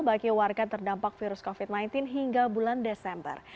bagi warga terdampak virus covid sembilan belas hingga bulan desember